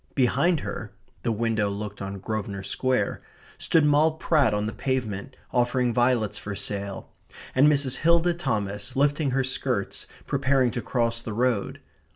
Behind her (the window looked on Grosvenor Square) stood Moll Pratt on the pavement, offering violets for sale; and Mrs. Hilda Thomas, lifting her skirts, preparing to cross the road.